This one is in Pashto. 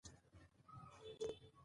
دوی پوښتنه کوله.